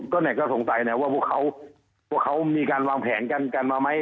ก็สงสัยนะว่าพวกเขามีการวางแผนกันกันมาไหม